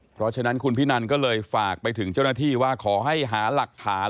เพราะฉะนั้นคุณพินันก็เลยฝากไปถึงเจ้าหน้าที่ว่าขอให้หาหลักฐาน